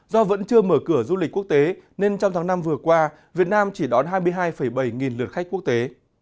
do vẫn chưa mở cửa du lịch quốc tế nên trong tháng năm vừa qua việt nam chỉ đón hai mươi hai bảy nghìn lượt khách quốc tế